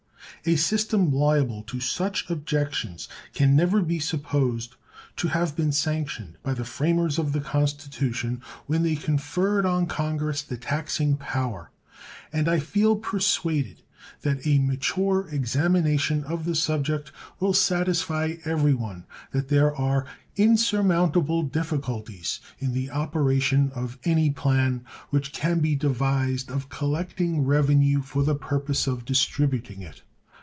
A system liable to such objections can never be supposed to have been sanctioned by the framers of the Constitution when they conferred on Congress the taxing power, and I feel persuaded that a mature examination of the subject will satisfy everyone that there are insurmountable difficulties in the operation of any plan which can be devised of collecting revenue for the purpose of distributing it.